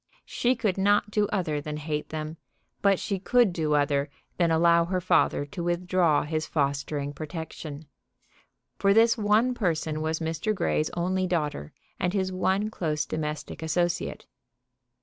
She could not do other than hate them, but she could do other than allow her father to withdraw his fostering protection; for this one person was Mr. Grey's only daughter and his one close domestic associate.